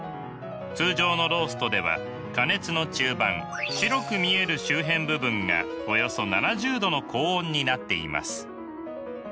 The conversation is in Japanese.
通常のローストでは加熱の中盤白く見える周辺部分がおよそ７０℃の高温になっています。